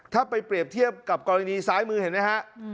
ถ้าไปเปรียบเทียบกับกรณีซ้ายมือเห็นไหมฮะ